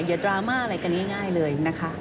อย่าดราม่าอะไรกันง่ายเลยนะคะ